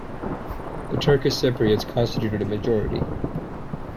The Turkish Cypriots constituted a majority.